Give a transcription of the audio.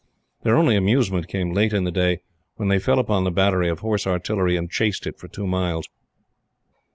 Their only amusement came late in the day, when they fell upon the battery of Horse Artillery and chased it for two mile's.